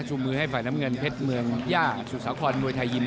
มือให้ฝ่ายน้ำเงินเพชรเมืองย่าสุสาครมวยไทยยิม